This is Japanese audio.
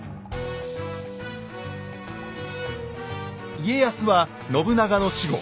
家康は信長の死後